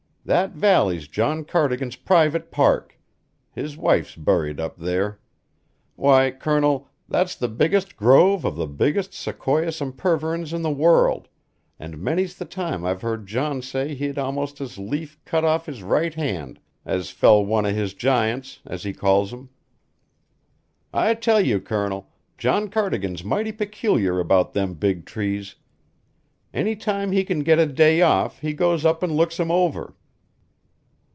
That valley's John Cardigan's private park; his wife's buried up there. Why, Colonel, that's the biggest grove of the biggest sequoia sempervirens in the world, an' many's the time I've heard John say he'd almost as lief cut off his right hand as fell one o' his giants, as he calls 'em. I tell you, Colonel, John Cardigan's mighty peculiar about them big trees. Any time he can get a day off he goes up an' looks 'em over."